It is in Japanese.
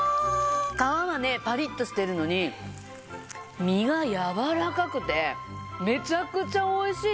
皮はねパリッとしてるのに身がやわらかくてめちゃくちゃ美味しい。